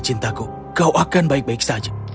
cintaku kau akan baik baik saja